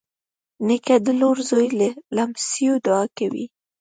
نیکه د لور، زوی، لمسيو دعا کوي.